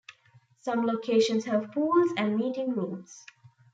Some locations have pools and meeting rooms.